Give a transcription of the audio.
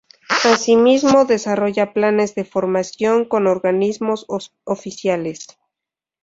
Asimismo, desarrolla planes de formación con Organismos Oficiales.